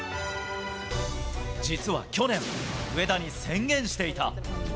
実は去年、上田に宣言していた。